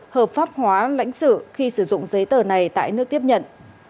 hợp pháp hóa lãnh sự khi sử dụng giấy tờ này tại nước tiếp nhận